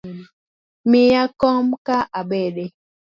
Miya kom ka abede